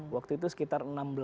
waktu itu sekitar enam belas